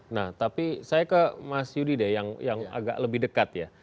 nah tapi saya ke mas yudi deh yang agak lebih dekat ya